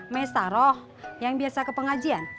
mestaroh yang biasa ke pengajian